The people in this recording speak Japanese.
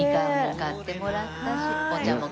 買ってもらったし。